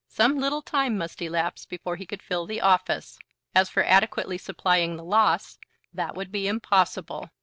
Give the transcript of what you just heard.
Some little time must elapse before he could fill the office. As for adequately supplying the loss, that would be impossible.